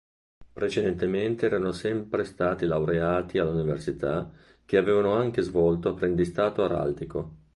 Precedentemente erano sempre stati laureati all'università che avevano anche svolto apprendistato araldico.